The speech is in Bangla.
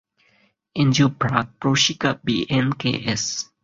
NGO BRAC, Proshika, BNKS.